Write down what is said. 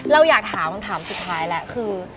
เราอยากถามคำถามสุดท้ายแล้วคือ